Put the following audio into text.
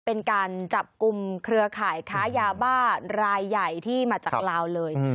เป็นการจับกลุ่มเครือข่ายค้ายาบ้ารายใหญ่ที่มาจากลาวเลย